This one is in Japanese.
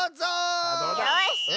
よし！